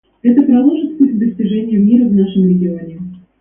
Это проложит путь к достижению мира в нашем регионе.